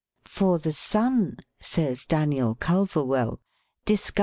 " For the sun," says Daniel Culver well, " discovers Fig.